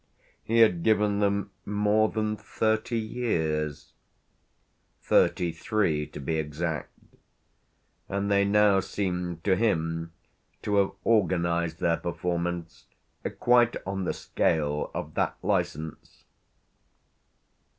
He had given them more than thirty years thirty three, to be exact; and they now seemed to him to have organised their performance quite on the scale of that licence.